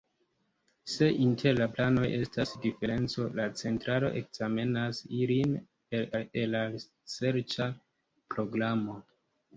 Se inter la planoj estas diferenco, la centralo ekzamenas ilin per erarserĉa programo.